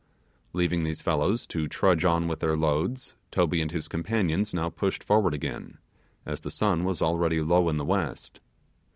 Leaving these fellows to trudge on with their loads, Toby and his companions now pushed forward again, as the sun was already low in the west.